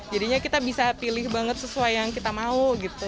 jadinya kita bisa pilih banget sesuai yang kita mau gitu